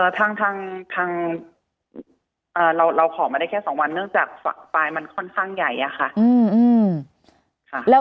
ทางเราขอมาได้แค่๒วันเนื่องจากปลายมันค่อนข้างใหญ่อะค่ะ